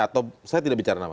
atau saya tidak bicara nama